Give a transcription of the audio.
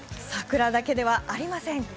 桜だけではありません。